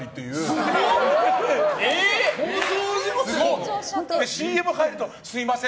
すごい！ＣＭ入ると、すみません